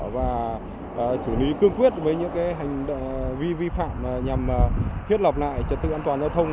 và xử lý cương quyết với những hành vi vi phạm nhằm thiết lập lại trật tự an toàn giao thông